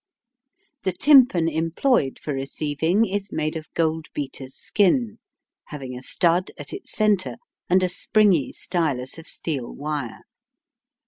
The tympan employed for receiving is made of gold beater's skin, having a stud at its centre and a springy stylus of steel wire.